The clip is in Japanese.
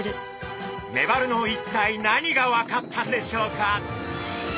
メバルの一体何が分かったんでしょうか？